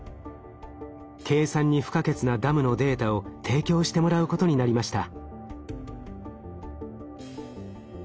計算に不可欠なダムのデータを提供してもらうことになりました。